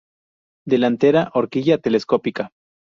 Delantera Horquilla telescópica.